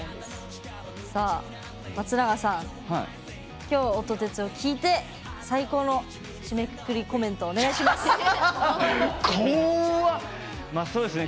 松永さん、きょう音鉄を聞いて最高の締めくくりコメントお願いします！